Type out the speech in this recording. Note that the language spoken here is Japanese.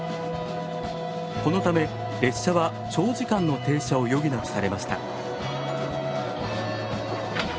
このため列車は長時間の停車を余儀なくされました。